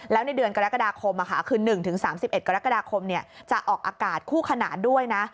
แล้วในเดือนกรกฎาคมคือ๑๓๑กรกฎาคมจะออกอากาศคู่ขนานด้วยนะ